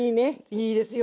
いいですよね。